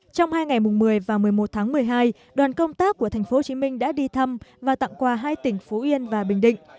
trong hai ngày một mươi và một mươi một tháng một mươi hai đoàn công tác của tp hcm đã đi thăm và tặng quà hai tỉnh phú yên và bình định